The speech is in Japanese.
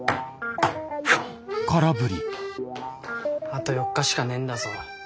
あと４日しかねえんだぞ。